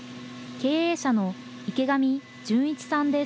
経営者の池上順一さんです。